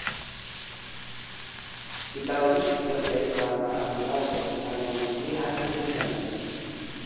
Di tahun itu terjadi kelangkaan beras yang sangat memprihatinkan.